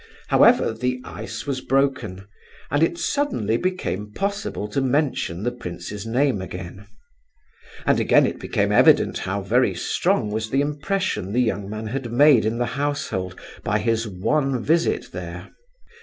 However, the ice was broken, and it suddenly became possible to mention the prince's name again. And again it became evident how very strong was the impression the young man had made in the household by his one visit there.